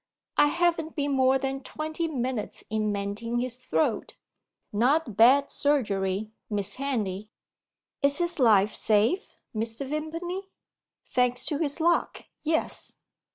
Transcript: I haven't been more than twenty minutes in mending his throat. Not bad surgery, Miss Henley." "Is his life safe, Mr. Vimpany?" "Thanks to his luck yes."